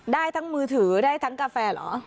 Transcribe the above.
ได้ทั้งมือถือได้ทั้งกาแฟเหรอ